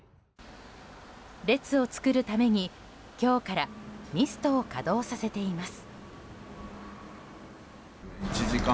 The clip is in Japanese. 列を作るために、今日からミストを稼働させています。